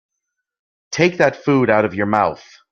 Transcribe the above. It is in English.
Take that food out of your mouth.